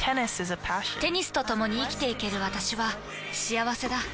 テニスとともに生きていける私は幸せだ。